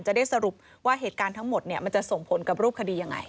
จะได้สรุปว่าเหตุการณ์ทั้งหมดมันจะส่งผลกับรูปคดียังไง